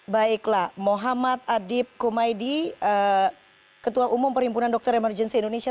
baiklah muhammad adib kumaydi ketua umum perhimpunan dokter emergency indonesia